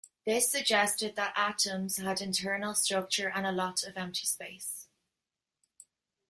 This suggested that atoms had internal structure and a lot of empty space.